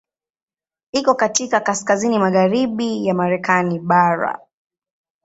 Iko katika kaskazini magharibi ya Marekani bara.